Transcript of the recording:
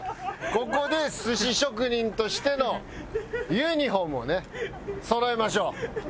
ここで寿司職人としてのユニホームをねそろえましょう。